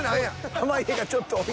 濱家がちょっと多い。